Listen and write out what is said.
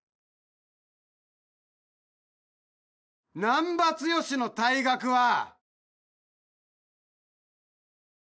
難破剛の退学は。